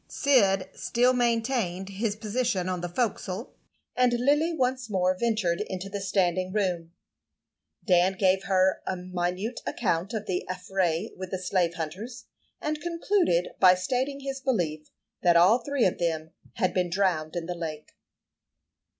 Cyd still maintained his position on the forecastle, and Lily once more ventured into the standing room. Dan gave her a minute account of the affray with the slave hunters, and concluded by stating his belief that all three of them had been drowned in the lake.